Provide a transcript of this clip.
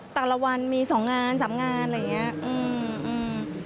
แต่ละวันมีสองงานสามงานอะไรอย่างเงี้ยอืม